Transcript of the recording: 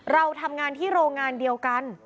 เราทำงานที่โรงงานเดียวกัน